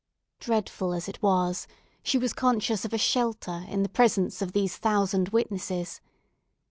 Dreadful as it was, she was conscious of a shelter in the presence of these thousand witnesses.